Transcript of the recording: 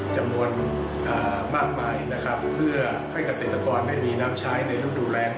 จำนวนมากมายนะครับเพื่อให้เกษตรกรได้มีน้ำใช้ในฤดูแรง